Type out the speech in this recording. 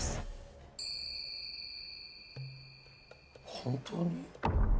本当に？